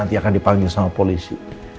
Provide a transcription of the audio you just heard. nanti akan dipanggil sama polisi